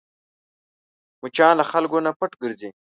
مچان له خلکو نه پټ ګرځي